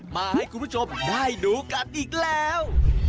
มาให้คุณผู้ชมได้ดูกันอีกแล้ว